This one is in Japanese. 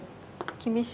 厳しい。